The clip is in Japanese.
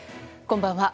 こんばんは。